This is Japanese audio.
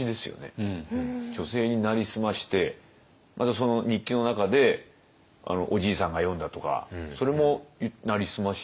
女性に成り済ましてまたその日記の中でおじいさんが詠んだとかそれも成り済まし？